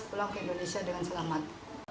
pulang ke indonesia dengan selamat